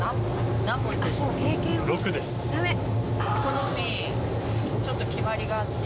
この海ちょっと決まりがあって。